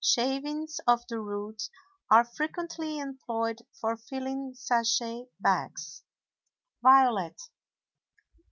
Shavings of the root are frequently employed for filling sachet bags. VIOLET.